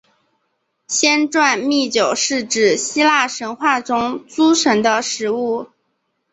仙馔密酒是指希腊神话中诸神的食物。